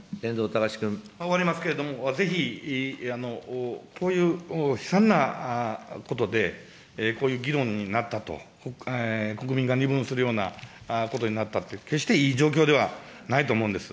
終わりますけれども、ぜひ、こういう悲惨なことで、こういう議論になったと、国民が二分するようなことになったと、決していい状況ではないと思うんです。